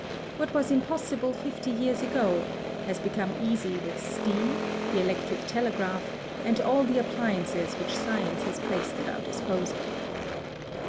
What was impossible fifty years ago has become easy with steam, the electric telegraph, and all the appliances which science has placed at our disposal.